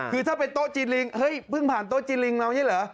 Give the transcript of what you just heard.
คือถ้าเป็นโต๊ะจีนลิงเฮ้ยพึ่งผ่านโต๊ะจีนลิงเหมือนเงี้ยเหรอ